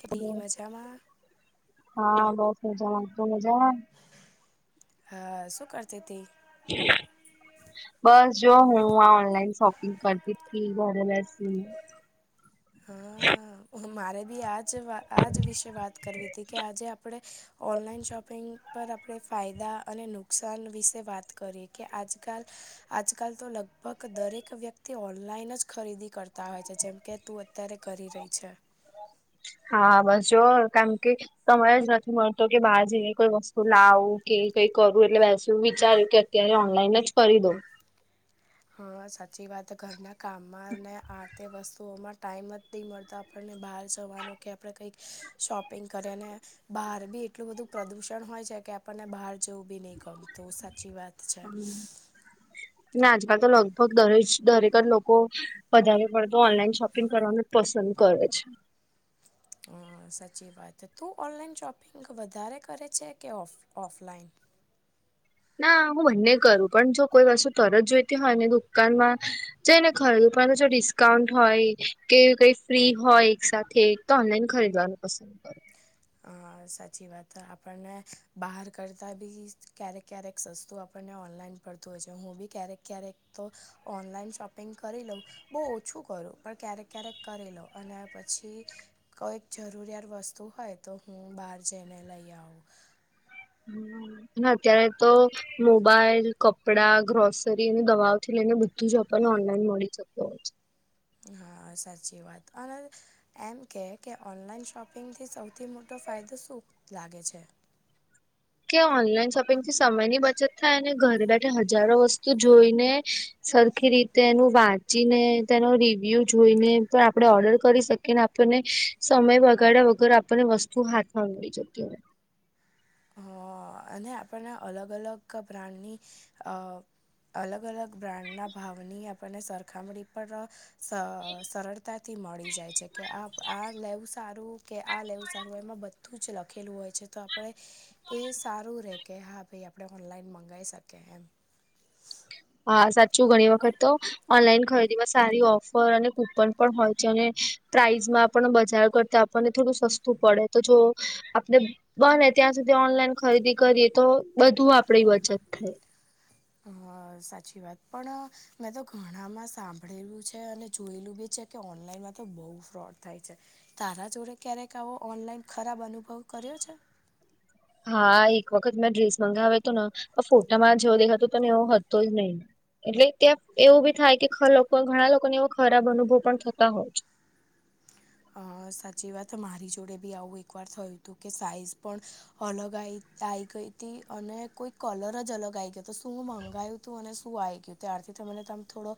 [unintelligible] મજામાં. હા. બસ મજા માં. તું મજામાં? હા. શું કરતી તી? બસ જો હું ઓનલાઈન આ શોપિંગ કરતી જ તી ઘરે બેસીને. હા. હું મારે ભી આ જ જ વા આ જ વિશે વાત કરવી તી, કે આજે આપણે ઓનલાઈન શોપિંગ પર આપણે ફાયદા અને નુકસાન વિશે વાત કરીએ. કે આજકાલ-આજકાલ તો લગ ભગ દરેક ઓનલાઈન જ ખરીદી કરતા હોય છે. જેમકે તું અત્યારે કરી રહી છે. [inaudible] હા. બસ જો [unintelligible] સમય જ નથી મળતો કે બહાર જઈએ, કોઈ વસ્તુ લાવું કે કંઈ કરવું એટલે [unintelligible] વિચાર્યું કે અત્યારે ઓનલાઈન જ કરી દઉં. હા સાચી વાત હે. ઘરના કામમાં ને આ તે વસ્તુંઓમાં ટાઈમ જ નહીં મળતો આપણને બહાર જવાનો કે આપણે કંઈક શોપિંગ કરીએ ને બાર બી એટલું બધું પ્રદુષણ હોય છે કે આપણને બહાર જવું બી નહીં ગમતું, સાચી વાત છે. ના. આજકાલ તો લગભગ દરે જ દરેક જ લોકો વધારે પડતું ઓનલાઈન શોપિંગ કરવાનું જ પસંદ કરે છ. હા સાચી વાત હે. તું ઓનલાઈન શોપિંગ વધારે કરે છે કે ઓફ ઓફલાઈન? ના હું બંને કરું પન જો કોઈ વસુ તરત જોઈતી હોય ને દુકાનમાં જઈને [unintelligible] જો ડિસ્કાઉન્ટ હોય કે કઈ ફ્રી હોય એક સાથે. તો ઓનલાઈન ખરીદવાનું પસંદ કર. [inaudible] હા, સાચી વાત આપણને બાહાર કરતાં બી ક્યારેક ક્યારેક સસ્તું આપણને ઓનલાઈન પરતું હોય છે હું બી ક્યારેક ક્યારેક તો ઓનલાઈન શોપિંગ કરી લઉં. બોવ ઓછું કરું પણ ક્યારેક ક્યારેક કરી લો અને પછી કોઈક જરૂરિયાર વસ્તુ તુ હોય તો હું બાર જઈને લઈ આવું. હા ત્યારે તો મોબાઈલ, કપળા, ગ્રોસરી ને દવાઓ થી લઈને બધું ઝ આપણને ઓનલાઈન મળી છે. [inaudible] હા, સાચી વાત [unintelligible] એમ કે કે ઓનલાઈન શોપિંગથી સૌથી મોટો ફાયદો શું લાગે છે? કે ઓનલાઈન શોપિંગ થી સમયની બચત થાયને ઘરે બેઠે હજારો વસ્તુ જોઈને સરખી રીતે એનું વાંચીને તેનો રિવ્યુ જોઈને પ આપણે ઓર્ડર કરી શકીએ. કે આપને સમય વઘાયળા વગર આપને વસ્તુ હાથમાં મળી જતી હોય. હઅ અને આપણને અલગ અલગ બ્રાન્ડની અ અલગ અલગ બ્રાન્ડના ભાવની આપણને સરખામરી પર સ સરળતા તી મળી જાય છે કે આ આ લેવું સારું કે આ લેવું સારું એમાં બધું જ લખ ખેલું હોય છે તો આપણે એ સારું રેકે હા ભાઈ આપણે ઓનલાઈન મંગાઈ શકે હેમ. હાઆ સાચું ઘણી વખત તો ઓનલાઈન ખરીદી માં સારી ઓફર અને કૂપન પણ હોય છે અને પ્રાઈઝમાં પણ બજાર કરતા આપને થોડું સસ્તું પળે તો જો આપને બને ત્યાં સુધી ઓનલાઈન ખરીદી કરીએ તો બધું આપરી વચત થાય. હં સાચી વાત પણ મેં તો ઘણામાં સાંભળ્યું છે અને જોયેલું બી ચે કે ઓનલાઈનમાં તો બઉ ફ્રોડ થાય છે. તારા જોરે ક્યારેક આવો ઓનલાઈન ખરાબ અનુભવ કર્યો છે? હા એક વખત મેં ડ્રેસ મંગાવ્યો તોન ફોટામાં જેવો દેખાતોતો ને એવો હતો જ નઇ. એટલે ત્યાં એવું બી થાય કે ખ લોકો ઘણા લોકોને એ ખરાબ અનુભવ પણ થતા હોય. અ સાચી વાત મારી જોડે બી આવું એકવાર થયું તું કે સાઈઝ પણ અલગ આય આયી ગઈ તી અને કોઈ કલર જ અલગ આવી ગયો હતો શું મંગાયું તું અને શું આઈ ગયુ. ત્યારથી થ મને તમ થોડો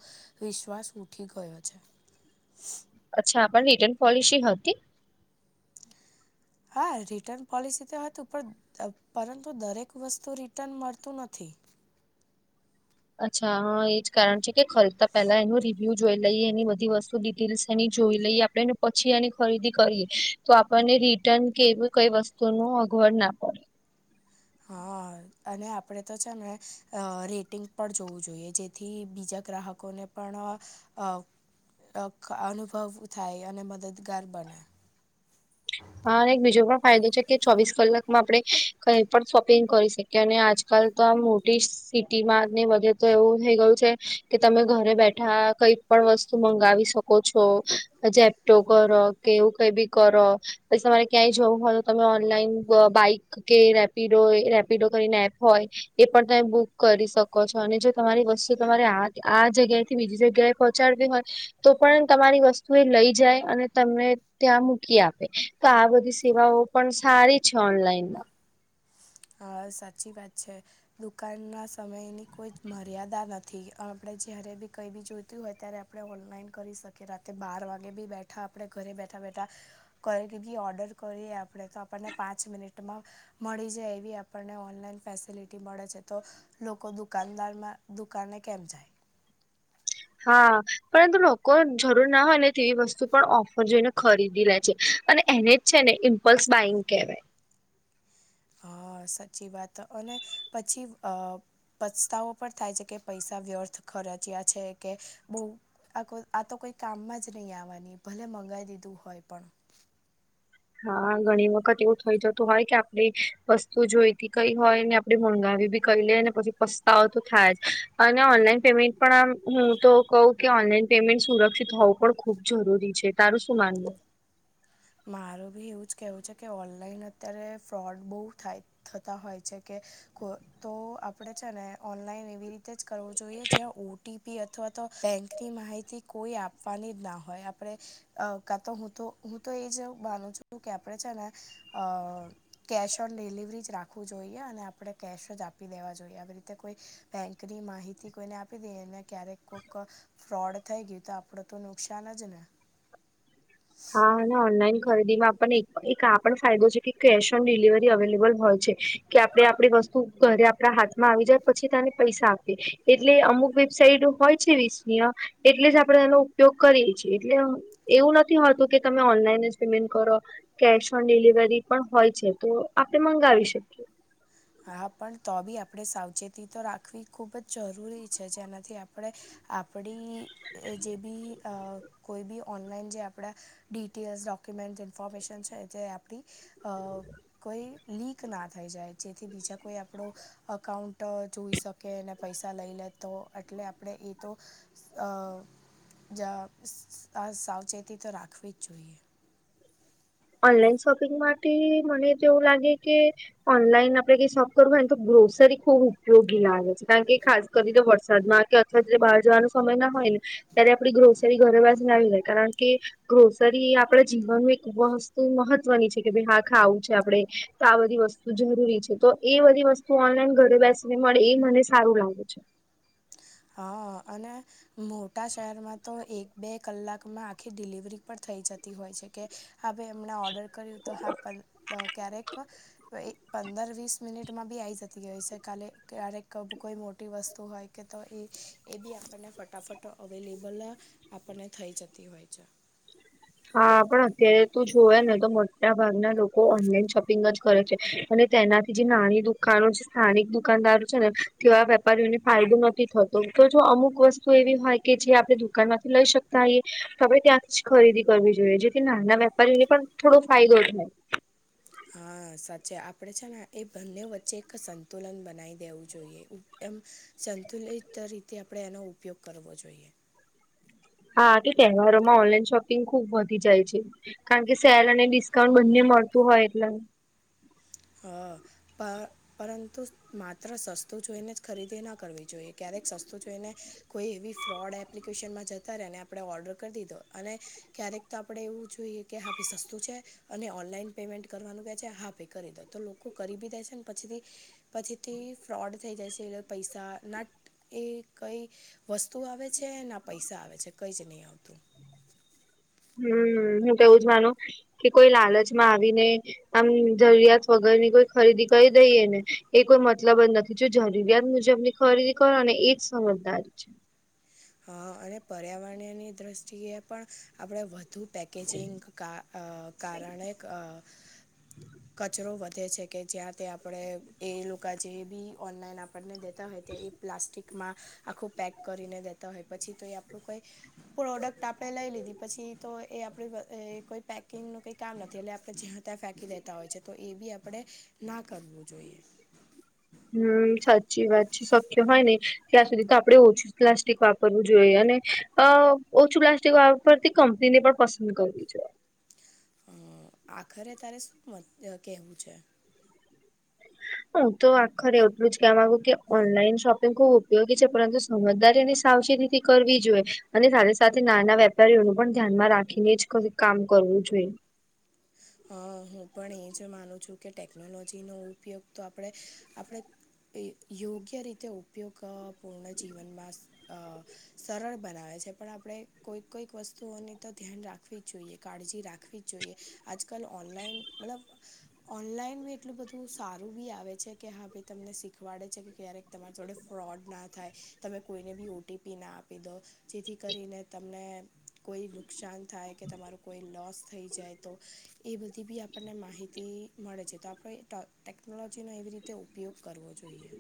વિશ્વાસ ઉઠી ગયો છે. અચ્છા પણ રિટર્ન પોલિસી હતી? હા, રિટર્ન પોલિસી તો હતું પણ પરંતુ દરેક વસ્તુ રિટર્ન મળતું નથી. અચ્છા હં એજ કારણ છે કે ખરીતા પેલા એનું રિવ્યુ જોઈ લઈએ એની બધી વસ્તુ ડિટેલ્સ એની જોઈ લઈએ આપળેને પછી એની ખરીદી કરીએ. તો આપણને રિટર્ન કે એવી કઈ વસ્તુ નુ અગવડ ના પડે. હા અને આપણે તો છે ને અ રીટિંગ પણ જોવું જોઈએ જેથી બીજા ગ્રાહક લોકોને પણ અ અ અનુભવ થાય અને મદદગાર બને. હા અને એક બીજો પણ ફાયદો છે કે ચોવીસ કલાકમાં આપડે કઈ પણ શોપિંગ કરી શકી શકી. કે અને આજકાલ તો આ મોટી સિટી માં ને બાગ તો એવું થઈ ગયું છે કે તમે ઘરે બેઠા કઈ પણ વસ્તુ મંગાવી શકો છો. જેેપ્ટો કરો કે એવું કઈ બી કરો. પછી તમારે ક્યાંય જવું હોય તો તમે ઓનલાઈન અ બાઈક કે રેપિડો રેપિડો કરીને એપ હોય. એ પણ તમે બુક કરી શકો છો, અને જો તમારી વસ્તુ તમારે આ આ જગ્યાએથી બીજી જગ્યાએ પહોંચાડવી હોય તો પણ તમારી વસ્તુ એ લઈ જાય. અને તમને ત્યાં મૂકી આપે. તો આ બધી સેવાઓ પણ સારી છે ઓનલાઈનમાં. હા સાચી વાત છે. દુકાનના સમયની કોઈ જ મર્યાદા નથી. આપણે જયારે બી કઈ બી જોઈતું હોય ત્યારે આપણે ઓનલાઈન કરી શકીએ. રાતે બાર વાગે બી બેઠા આપણે ઘરે બેઠા -બેઠા કઈ બી ઓર્ડર કરીએ આપડે તો આપણને પાંચ મિનિટમાં મળી જાય. એ આપણને ઓનલાઈન ફેસિલિટી મળે છે. તો લોકો દુકાનદારમાં દુકાને કેમ જાય? હા પરંતુ લોકો હે ને જરૂર ના હોય ને તેવી વસ્તુ પણ ઓફર જોઈને ખરીદી લે છે. અને એને જ છે ને ઇમ્પલ્સ બાઈંગ કહેવાય. હા સાચી વાત અને પછી અ પસ્તાવો પણ થાય છે કે પૈસા વ્યર્થ ખર્ચયા છે કે બહુ આ કોઈ આ તો કોઈ કામમાં જ નહીં આવવાની. ભલે મંગાઈ દીધું હોય પણ. હા ઘણી વખત એવું થઈ જતું હોય કે આપણે વસ્તુ જોઈતી કઈ હોય ને આપડે મંગાવી બી કહી લે ને પછી પસ્તાવો તો થાય જ અને ઓનલાઈન પેમેન્ટ પણ આમ હું તો કઉ કે ઓનલાઈન પેમેન્ટ સુરક્ષિત હોવું પણ ખુબ જરૂરી છે. તારું શું માનવું? મારું બી એવું જ કહેવું છે કે ઓનલાઈન અત્યારે ફ્રોડ બહુ થાય. થતા હોય છે કે તો આપણે છે ને ઓનલાઈન એવી રીત તે જ કરવો જોઈએ જ્યાં ઓ ટી પી અથવા તો બેંકની માહિતી કોઈ આપવાની જ ના હોય. આપણે અ કાતો હું તો તો એજ હું માનું છું કે આપણે છે ને અ કેશ ઓન ડિલિવરી જ રાખવું જોઈએ. અને આપણે કેશ જ આપી દેવા જોઈએ. આવી રીતે કોઈ બેન્કની માહિતી કોઈને આપી દઈએ ને ક્યારેક કોક ફ્રોડ થઈ ગયું તો આપણે તો નુકસાન જ ને. હા અને ઓનલાઈન ખરીદીમાં આપણને એક એક આ પણ ફાયદો છે કે કેશ ઓન ડિલિવરી અવેલેબલ હોય છે. કે આપડે આપડી વસ્તુ ઘરે આપડા હાથમાં આવી જાય પછી તને પૈસા આપે. એટલે અમુક વેબસાઇટ હોય છે વિસનીય એટલે જ આપડે એનો ઉપયોગ કરીએ છીએ. એટલે એવું નથ નથી હોતું કે તમે ઓનલાઈન જ પેમેન્ટ કરો. કેશ ઓન ડિલિવરી પણ હોય છે. તો આપણે મંગાવી શકીએ. હા પણ તો બી આપણેે સાવચેતી તો રાખવી ખુબ જ જરૂરી છે. જેનાથી આપ આપણે આપડી જે બી કોઈ અ બી ઓનલાઈન જે આપડા ડિટેલ્સ, ડોક્યુમેન્ટ, ઇન્ફોર્મેશન છે જે આપડી અ કોઈ લીક ના થઈ જાય. જેથી બીજા કોઈ આપડો અકાઉન્ટ જોઈ શકેને, પૈસા લઇ લે તો. એટલે આપડે એ તો અ જ આ સાવચેતી તો રાખવી જ જોઈએ. ઓનલાઈન શોપિંગ માટે મને તો એવું લાગે કે ઓનલાઈન આપડે કાઈ શોપ કરવું હોયને તો ગ્રોસરી ખુબ ઉપયોગી લાગે છે. કારણ કે ખાસ કરીને વરસાદમાં અથવા બહાર જવાનો સમય ના હોય ને ત્યારે આપડી ગ્રોસરી ઘરે વાસીને આવી જાય કારણ કે ગ્રોસરી એ આપડા જીવનનું એક વસ તું મહત્વની છે કે ભાઈ હા ખાવું છે આપડે તો આ બધી વસ્તુ જરૂરી છે. તો એ બધી વસ્ તુ ઓનલાઈન ઘરે બેસીને મળે એ મને સારું લાગે છે. હા અને મોટા શહેરમાં એક બે કલાકમાં ડિલિવરી પણ થઈ જતી હોય છે કે હા ભાઈ હમણાં ઓર્ડર કર્યું હા ક્યારેક એ પંદર વીસ મિનિટમાં બી આવી જતી હોય છે કાલે ક્યારેક કોઈ મોટી વસ્તુ હોય કે તો એ એ બી આપણને ફટાફટ અવેલેબલ આપણને થઈ જતી હોય છે. હા પણ અત્યારે તું જોયા ને તો મોટા ભાગના લોકો ઓનલાઈન શોપિંગ જ કરે છે. અને તેનાથી જે નાની દુકાનો છે સ્થાનિક દુકાનદારો છે ને તે આ વેપારીઓને ફાયદો નથી થતો તો જો અમુક વસ્તુ એવી હોય કે જે આપણે દુકાન માંથી લઈ શકતા હોઈએ તો આપડે ત્યાંથી ખરીદી કરવુ જોઈએ જેથી નાના વેપારીઓને પણ થોડો ફાયદો થાય. હા સાચે આપડે છે ને એ બંને વચ્ચે એક સંતુલન બનાવી દેવું જોઈએ. એમ સંતુલિત રીતે આપણે એનો ઉપયોગ કરવો જોઈએ. હા કે તહેવારોમાં ઓનલાઈન શોપિંગ ખુબ વધી જાય છે. કારણ કે સેલ અને ડિસ્કાઉન્ટ બંને મળતું હોય એટલે. હા પ પરંતુ માત્ર સસ્તું જોઈને જ ખરીદી ના કરવી જોઈએ ક્યારેક સસ્તું જોઈને કોઈ એવી ફ્રોડ એપ્લિકેશનમાં જતાં રહેને આપણે ઓર્ડર કરી દીધો અને ક્યારેક તો આપણે એવું જોઈએ કે હા ભે સસ્તું છે અને ઓનલાઈન પેમેન્ટ કરવાનું ક્યા છે હા પે કરી દઉ. તો લોકો કરી બી દે છે ને પછીથી પછીથી ફ્રોડ થઈ જાય છે એટલે પૈસા ના એ કંઈ વસ્તુ આવે છે ના પૈસા આવે છે કંઈ જ નહીં આવતું. હમ્મ, હું તોવું જ માનું કે કોઈ લાલચમાં આવીને આમ જરૂરિયાત વગર ની કોઈ ખરીદી કરી દઈએ ને એ કોઈ મતલબ જ નથી જો જરૂરિયાત મુજબની ખરીદી કરો અને એજ સમજદારી છે. અ અને પર્યાવરણીની દ્રષ્ટિએ પણ આપણે વધુ પેકેજિંગ કા અ કારણે અ કચરો વધે છે. કે જ્યાં આપણે એ લોકો જે બી ઓનલાઈન આપને દેતા હોય ત્યાં એ પ્લાસ્ટિક માં આખું પેક કરીને પછી તો એ આપણું કોઈ પ્રોડક્ટ આપે લઈ લીધી પછી તો એ આપ અ એ પેકિંગું કઈ કામ નથી એટલે આપણે જ્યાં ત્યાં ફેંકી લેતા હોય છે. તો એ બી આપણે ના કરવું જોઈએ. હમ્મ, સાચી વાત છે. શક્ય હોય ને ત્યાં સુધી તો આપણે ઓછું પ્લાસ્ટિક વાપરવું જોઈએ અને અ ઓછું પ્લાસ્ટિક વાપરતી કંપનીને પણ પસંદ કરવી જોઈએ. હ આખરે તારે શું કહેવું છે? હું તો આખરે એટલું જ કે માંગુ કે ઓનલાઈન શોપિંગ ખુબ ઉપયોગી છે પરંતુ સમજદારીની સાવચેતીથી કરવી જોઈએ અને સાથે સાથે નાના વેપારીઓનું પણ ધ્યાનમાં રાખીને જ કામ કરવું જોઈએ હા હું પણ એ જ માનું છું કે ટેકનોલોજીનો ઉપયોગ તો આપણે આપણે એ યોગ્ય રીતે ઉપયોગ અ પૂર્ણ જીવનમાંસ અ સરળ બનાવે છે. પણ આપણે કોઈક કોઈક વસ્તુઓની તો ધ્યાન રાખ રાખવી જોઈએ, કાળજી રાખવી જ જોઈએ. આજ કલ ઓનલાઈન મતલબ ઓનલાઈન બી એટલું બધું સારું બી આવે છે કે હા ભી તમને શીખવાડે છે કે ક્યારેક તમારા જોડે ફ્રોડ ના થાય તમે કોઈને બી ઓ ટી પી ના આપી દો જેથી કરીને તમને કોઈ નુકસાન થાય કે તમારું કોઈ લોસ થઈ જાય. તો એ બધી બી આપણને માહિતી મળે છે તો આપણે ટેકનોલોજીનો એવી રીતે ઉપયોગ કરવો જોઈએ.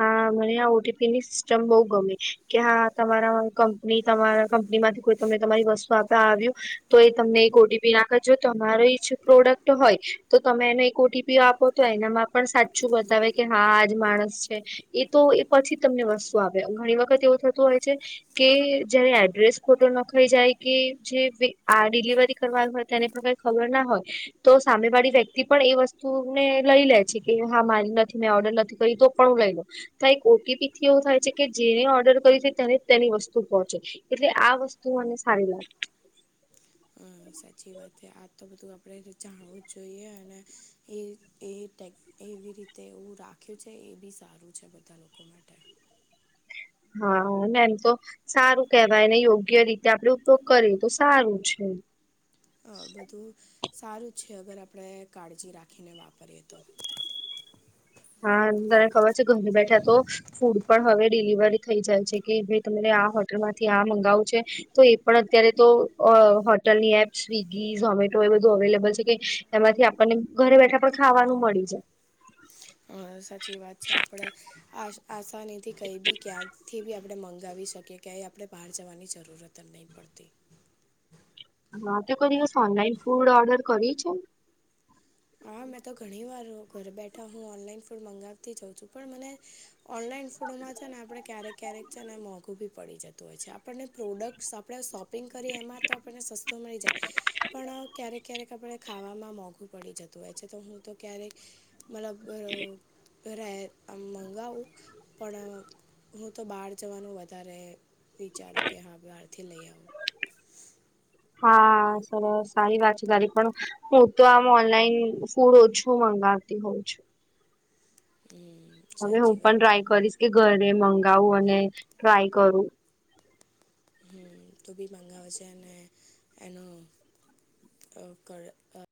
હા મને આ ઓ ટી પીની સિસ્ટમ બહુ ગમે કે હા તમારા કંપની તમારા કંપનીમાંથી કોઈ તમે તમારી વસ્તુ આપવા આવ્યું તો એ તમને એક ઓટીપી નાખજો તમારો એ પ્રોડક્ટ હોય તો તમે એને એક ઓટીપી આપો તો એનામાં પણ સાચું બતાવે કે હા આજ માણસ એ તો એ પછી તમને વસ્તુ આપે ઘણી વખત એવું થતું હોય છે. કે જયારે એડ્રેસ ખોટો નખાઈ જાય કે જે આ ડિલિવરી કરવા હોય તેને પ્રકાર, ખબર ના હોય. તો સામે વાળી વ્યક્તિ પણ એ વસ્તુને લઈ લે છે કે હા મારી નથી મેં ઓર્ડર નથી કરીયું તો, પણું હું લઈ લઉ કઈક ઓટીપી થી એવ થાય છે કે જેને ઓર્ડર કરી છે ત્યારે તેને જ તેની વસ્તુ પહોંચે. એટલે આ વસ્તુ મને સારી લાગે. હ સાચી વાત છે આ તો બધું આપણે જાણવું જ જોઈએ અને એ એ ટેક એવી રીતે એવું રાખ્યું છે એ બી સારું છે બધા લોકો માટે, હા એમ તો, સારું કેહેવાયને યોગ્ય રીતે આપડે ઉપયોગ કરીએ તો સારું છે. બધું સારું જ છે અગર આપણે કાળજી રાખીને વાપરીએ તો, હા તને ખબર છે ઘર બેઠા તો, ફૂડ પણ હવે ડિલિવરી થઈ જાય છે કે ભાઈ તરે આ હોટલ માંથી આ મંગાવું છે. તો એ પણ અત્યારે તો અ હોટલની એપ્ સ્વિગી ઝોમેટો એ બધું અવેલેબલ છે કે, એમાંથી આપણને ઘરે બેઠા પણ ખાવાનું મળી જાય. અ સાચી વાત છે આપણે આ આસાનીથી કઈ બી ક્યાંથી બી આપણે મંગાવી શકે. ક્યાંય આપણે બહાર જવાની જરૂરત જ નહીં પડતી. હા તે કોઈ દિવસ ઓનલાઇન ફુડ ઓર્ડર કરી છું. હા મેં તો ઘણી વાર ઘર બેઠા હું ઓનલાઈન ફૂડ મંગાવતી જાઉં છું પણ મને, ઓનલાઈન ફુડ માં છે ને આપણે ક્યારેક ક્યારેક છે ને મોંઘું ભી, પડી જતું હોય છે, આપણને પ્રોડક્ટ્સ આપણે શોપિંગ કરીએ એમાં તો આપણને સસ્તો મળી જાય, પણ ક્યારેક ક્યારેક આપણે ખાવામાં મોંઘું પડી જતુ તો છે તો હું તો ક્યારેક મતલબ ઘ ઘરે આમ મંગાવું, પણ, હું તો બહાર જવાનું વધારે વિચારું કે હા બહારથી લઈ આવું. હા સરસ સારી વાત છે તારી પણ, હું તો આમ ઓનલાઈન ફૂડ ઓછું મંગાવતી હોઉ છું. હું. હવે હું પણ ટ્રાય કરીશ કે ઘરે મંગાવું અને ટ્રાય કરું. હમ તો બી મંગાવ જે ને એનો અ કર,